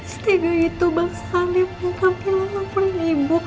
setiga itu bang salim dan kamila yang memperlibuk